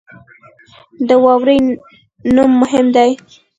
د واورې نوم مهم دی.